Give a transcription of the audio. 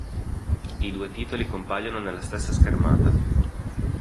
I due titoli compaiono nella stessa schermata.